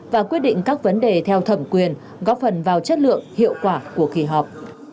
và quyết định các vấn đề theo thẩm quyền góp phần vào chất lượng hiệu quả của kỳ họp